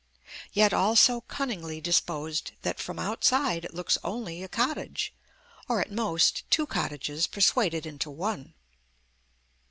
Yet all so cunningly disposed that from outside it looks only a cottage or, at most, two cottages persuaded into one.